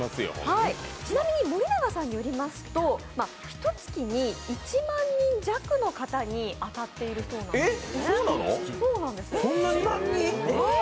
ちなみに森永さんによりますと、ひとつきに１万人弱の方に当たっているそうなんです。